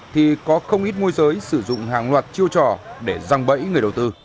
thì có không ít môi giới sử dụng hàng loạt chiêu trò để răng bẫy người đầu tư